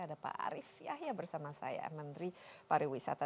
ada pak arief yahya bersama saya menteri pariwisata